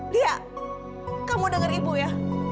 liah kamu denger ibu ya